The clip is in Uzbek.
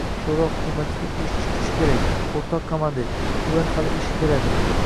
Sho‘ro hukumatiga ishchi kuchi kerak, o‘rtoq komandir, ular hali ish beradi.